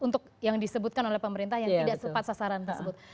untuk yang disebutkan oleh pemerintah yang tidak sepat sasaran tersebut